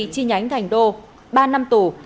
chi nhánh thành đô ba năm tù